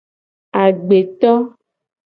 Agbeto.